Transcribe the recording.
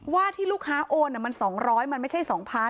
ว่าที่ลูกค้าโอนมัน๒๐๐มันไม่ใช่๒๐๐๐